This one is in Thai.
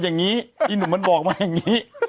มีอะไรก็อี่หนุ่มมันบอกมันอย่างนี้